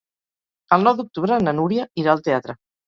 El nou d'octubre na Núria irà al teatre.